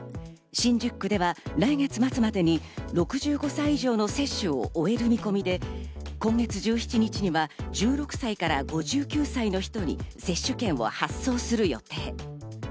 新宿区では来月末までに６５歳以上の接種を終える見込みで、今月１７日には１６歳から５９歳の人に接種券を発送する予定。